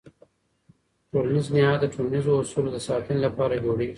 ټولنیز نهاد د ټولنیزو اصولو د ساتنې لپاره جوړېږي.